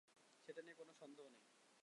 সেটা নিয়ে কোনো সন্দেহ নেই।